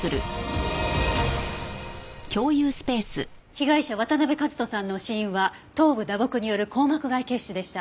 被害者渡辺和登さんの死因は頭部打撲による硬膜外血腫でした。